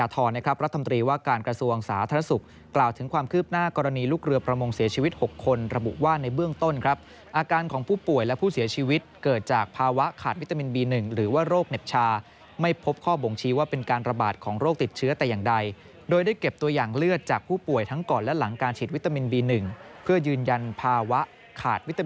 ตอนนี้ลูกเรือประมงเสียชีวิตหกคนระบุว่าในเบื้องต้นครับอาการของผู้ป่วยและผู้เสียชีวิตเกิดจากภาวะขาดวิตามินบีหนึ่งหรือว่าโรคเหน็บชาไม่พบข้อบ่งชี้ว่าเป็นการระบาดของโรคติดเชื้อแต่อย่างใดโดยได้เก็บตัวอย่างเลือดจากผู้ป่วยทั้งก่อนและหลังการฉีดวิตามินบีหนึ่งเพื่อยืนยันภาวะข